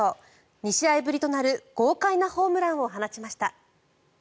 ２試合ぶりとなる豪快なホームランを放ちました。